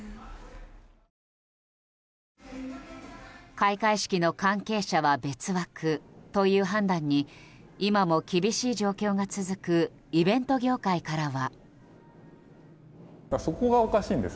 開会式の関係者は別枠という判断に今も厳しい状況が続くイベント業界からは。